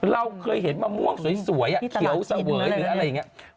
เราเคยเห็นมะม่วงสวยเขียวเสวยหรืออะไรอย่างนี้